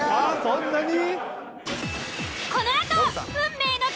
そんなに？